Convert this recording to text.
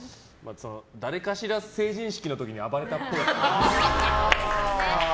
誰かしら成人式の時に暴れ多っぽい。